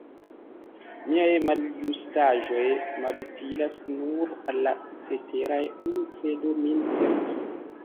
Miaj maljustaĵoj malutilas nur al la ceteraj; unu cedo min perdus.